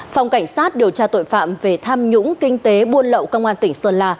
phòng cảnh sát điều tra tội phạm về tham nhũng kinh tế buôn lậu công an tỉnh sơn la